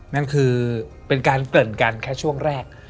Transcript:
นั่นคือเป็นการเกริ่นกันแค่ช่วงแรก